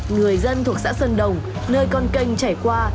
người dân thuộc xã sơn đồng nơi con canh trải qua